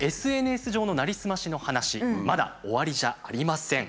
ＳＮＳ上のなりすましの話まだ終わりじゃありません。